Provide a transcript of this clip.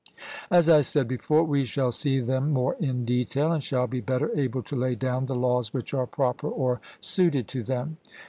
As I said before, we shall see them more in detail, and shall be better able to lay down the laws which are proper or suited to them.